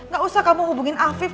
gak usah kamu hubungin afif